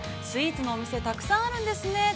スイーツのお店、たくさんあるんですね。